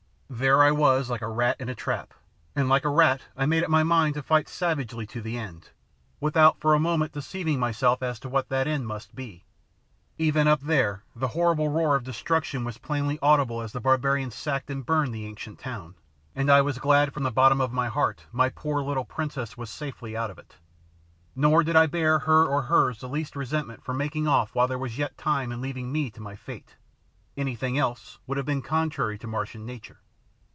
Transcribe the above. There I was like a rat in a trap, and like a rat I made up my mind to fight savagely to the end, without for a moment deceiving myself as to what that end must be. Even up there the horrible roar of destruction was plainly audible as the barbarians sacked and burned the ancient town, and I was glad from the bottom of my heart my poor little princess was safely out of it. Nor did I bear her or hers the least resentment for making off while there was yet time and leaving me to my fate anything else would have been contrary to Martian nature.